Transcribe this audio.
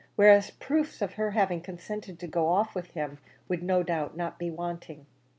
whereas proofs of her having consented to go off with him would no doubt not be wanting.